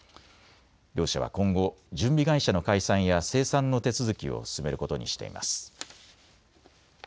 両社は今後、準備会社の解散や清算の手続きを進めることにしています。